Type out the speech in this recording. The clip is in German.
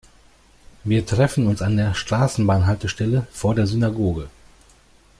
Wir treffen uns an der Straßenbahnhaltestelle vor der Synagoge.